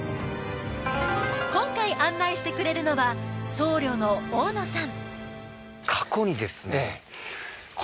今回案内してくれるのは僧侶の大野さん